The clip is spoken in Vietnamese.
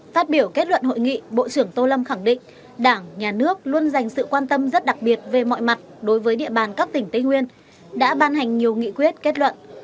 phát biểu kết luận hội nghị bộ trưởng tô lâm khẳng định đảng nhà nước luôn dành sự quan tâm rất đặc biệt về mọi mặt đối với địa bàn các tỉnh tây nguyên đã ban hành nhiều nghị quyết kết luận